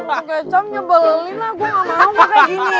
pansi potong kecap nyebelin lah gue ga mau